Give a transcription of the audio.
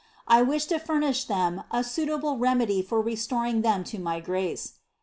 I wish to furnish them a suitable remedy for restoring them to my grace.